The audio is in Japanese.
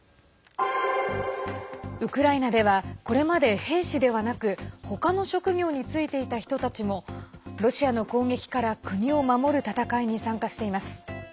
ウクライナではこれまで兵士ではなく他の職業に就いていた人たちもロシアの攻撃から国を守る戦いに参加しています。